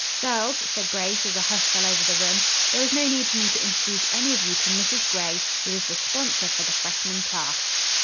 "Girls," said Grace, as a hush fell over the room, "there is no need for me to introduce any of you to Mrs. Gray, who is the sponsor for the freshman class."